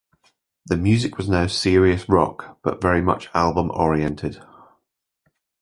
The music was now serious rock but very much album oriented.